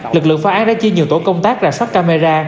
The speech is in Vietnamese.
lực lượng phá án đã chia nhiều tổ công tác ra sắp camera